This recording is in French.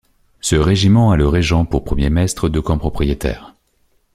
Ce régiment a le Régent pour premier mestre de camp propriétaire.